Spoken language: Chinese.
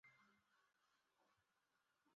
希腊人将其改为一座博物馆。